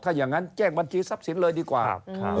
ถ้าอย่างนั้นแจ้งบัญชีทรัพย์สินเลยดีกว่า